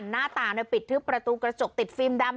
หน้าต่างปิดทึบประตูกระจกติดฟิล์มดำ